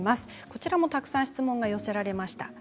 こちらもたくさん質問が寄せられました。